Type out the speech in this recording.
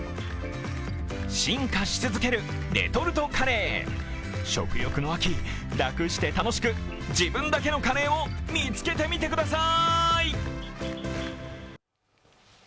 進化し続けるレトルトカレー食欲の秋、楽して楽しく自分だけのカレーを見つけてみてください。